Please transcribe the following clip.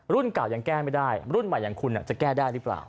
เก่ายังแก้ไม่ได้รุ่นใหม่อย่างคุณจะแก้ได้หรือเปล่า